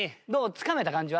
つかめた感じはあった？